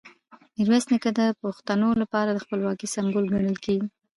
میرویس نیکه د پښتنو لپاره د خپلواکۍ سمبول ګڼل کېږي.